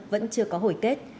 vẫn chưa có hồi kết